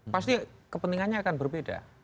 pasti kepentingannya akan berbeda